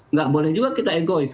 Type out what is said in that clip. nggak boleh juga kita egois